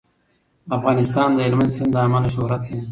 افغانستان د هلمند سیند له امله شهرت لري.